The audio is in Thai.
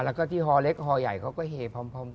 แล้วก็ที่ฮอเล็กฮอใหญ่เขาก็เฮพร้อม